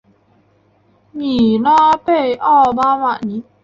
米拉贝奥巴罗涅。